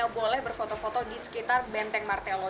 boleh berfoto foto di sekitar benteng martelo